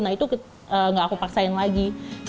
nah itu nggak aku paksain lagi